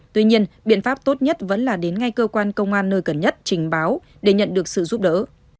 tuy nhiên biện pháp tốt nhất vẫn là đến ngay cơ quan công an nơi gần nhất trình báo để nhận được sự giúp đỡ